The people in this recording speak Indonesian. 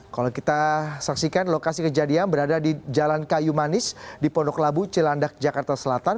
kalau kita saksikan lokasi kejadian berada di jalan kayu manis di pondok labu cilandak jakarta selatan